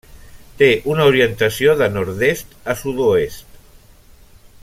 Té una orientació de nord-est a sud-oest.